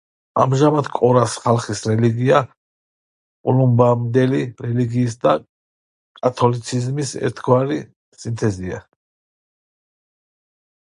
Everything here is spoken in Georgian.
ამჟამად, კორას ხალხის რელიგია კოლუმბამდელი რელიგიისა და კათოლიციზმის ერთგავრი სინთეზია.